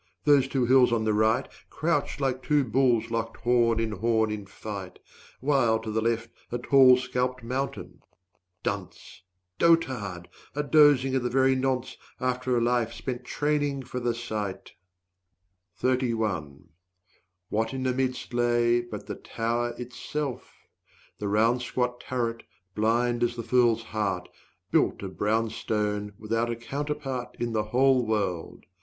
those two hills on the right, Crouched like two bulls locked horn in horn in fight; While to the left, a tall scalped mountain ... Dunce, Dotard, a dozing at the very nonce, After a life spent training for the sight! 180 What in the midst lay but the Tower itself? The round squat turret, blind as the fool's heart, Built of brown stone, without a counterpart In the whole world.